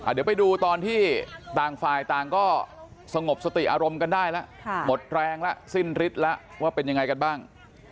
เดี๋ยวไปดูตอนที่ต่างฝ่ายต่างก็สงบสติอารมณ์กันได้แล้วหมดแรงแล้วสิ้นฤทธิ์แล้วว่าเป็นยังไงกันบ้าง